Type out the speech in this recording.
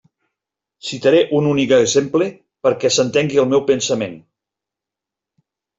Citaré un únic exemple perquè s'entengui el meu pensament.